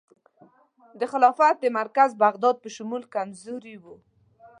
د خلافت د مرکز بغداد په شمول کمزوري وه.